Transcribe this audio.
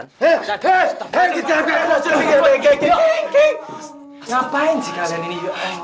ngapain sih kalian ini